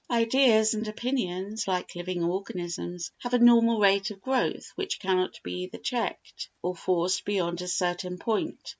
Ideas and opinions, like living organisms, have a normal rate of growth which cannot be either checked or forced beyond a certain point.